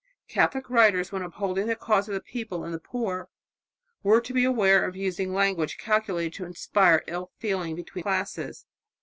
Catholic writers, when upholding the cause of the people and the poor, were to beware of using language calculated to inspire ill feeling between classes.